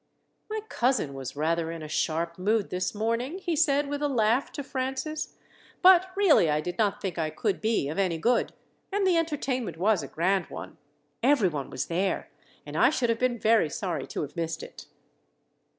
"My cousin was rather in a sharp mood this morning," he said with a laugh to Francis; "but really I did not think I could be of any good, and the entertainment was a grand one. Everyone was there, and I should have been very sorry to have missed it."